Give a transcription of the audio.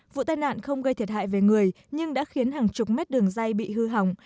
vụ tai nạn không gây thiệt hại về người nhưng đã khiến hàng chục mét đường dây bị hư hỏng